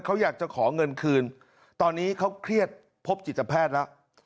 เขาอยากจะขอเงินคืนตอนนี้เขาเครียดพบจิตแพทย์แล้ว